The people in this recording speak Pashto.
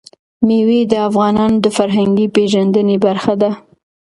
مېوې د افغانانو د فرهنګي پیژندنې برخه ده.